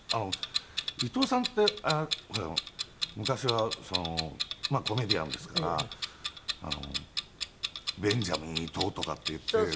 伊東さんって昔はコメディアンですからベンジャミン伊東とかっていってねえ